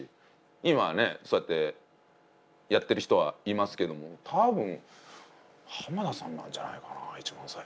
今はねそうやってやっている人はいますけども多分浜田さんなんじゃないかな一番最初。